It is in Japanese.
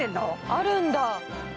あるんだ？